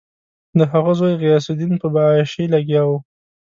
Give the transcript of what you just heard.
د هغه زوی غیاث الدین په عیاشي لګیا شو.